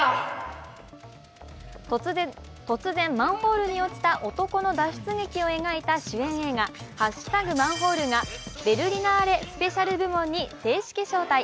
突然、マンホールに落ちた男の脱出劇を描いた主演映画・「＃マンホール」がベルリナーレ・スペシャル部門に正式招待。